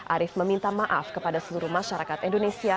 arief meminta maaf kepada seluruh masyarakat indonesia